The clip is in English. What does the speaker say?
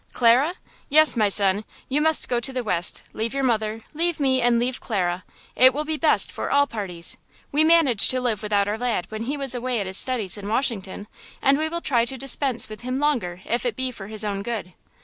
"Clara? Yes, my son, you must go to the West, leave your mother, leave me and leave Clara! It will be best for all parties! We managed to live without our lad, when he was away at his studies in Washington, and we will try to dispense with him longer if it be for his own good."